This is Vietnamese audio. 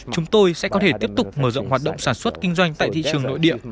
chúng tôi sẽ có thể tiếp tục mở rộng hoạt động sản xuất kinh doanh tại thị trường nội địa